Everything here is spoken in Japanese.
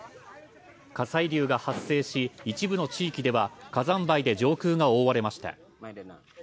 火砕流が発生し、一部の地域では火山灰で上空が覆われました。